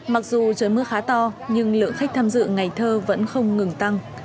mặc dù trời mưa khá to nhưng lượng khách tham dự ngày thơ vẫn không ngừng tăng